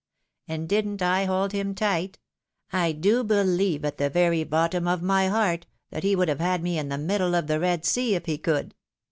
And didn't I hold him tight ? I do beheve, at the very bottom of my heart, that he would have had me in the middle of the Red Sea, if he could."